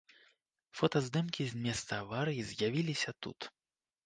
Фотаздымкі з месца аварыі з'явіліся тут.